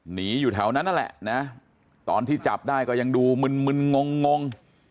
หนีอยู่แถวนั้นนี่ละตอนที่จับได้งันดูมึนงง